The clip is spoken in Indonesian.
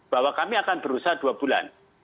bahwa kami akan berusaha dua bulan